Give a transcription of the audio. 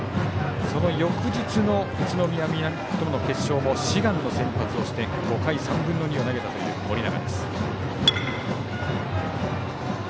その翌日の宇都宮南との決勝も志願して５回３分の２を投げたという盛永です。